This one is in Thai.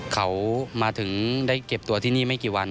เขามาถึงได้เก็บตัวที่นี่ไม่กี่วัน